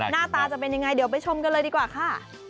หน้าตาจะเป็นยังไงเดี๋ยวไปชมกันเลยดีกว่าค่ะ